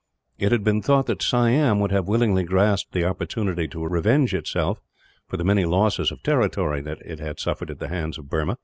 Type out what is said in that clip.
It had been thought that Siam would have willingly grasped the opportunity to revenge itself for the many losses of territory that it had suffered at the hands of Burma.